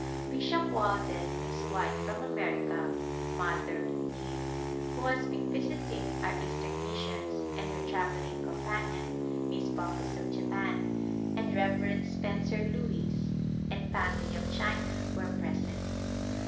Bishop Walden and his wife from America, " Mother " Nind, who has been visiting our Eastern missions, and her travelling companion. Miss Baucus of Japan, and Rev. Spencer Lewis and family of China, were present.